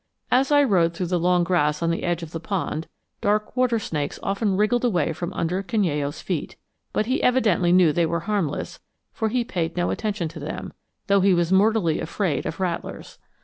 As I rode through the long grass on the edge of the pond, dark water snakes often wriggled away from under Canello's feet; but he evidently knew they were harmless, for he paid no attention to them, though he was mortally afraid of rattlers.